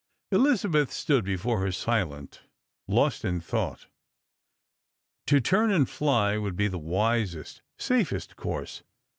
Elizabeth stood before her silent, lost in thought. To turn and Hy would be the wisest, safest course.